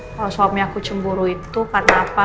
kalau suami aku cemburu itu karena apa